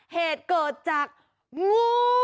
เหตุเกิดจากงู